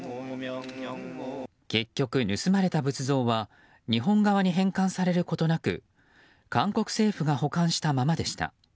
結局盗まれた仏像は日本側に返還されることなく韓国政府が保管したままでした。